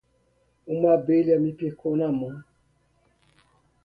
Uma abelha me picou na mão.